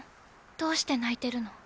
どうして泣いてるの？